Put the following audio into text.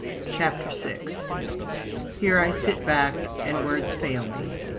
CHAPTER VI Here I sit back, and words fail me.